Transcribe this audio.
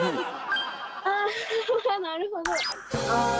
あぁなるほど。